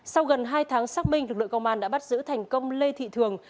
sau gần hai tháng xác minh lực lượng công an đã bắt giữ thành công lê thị thường